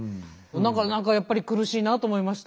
何かやっぱり苦しいなと思いました。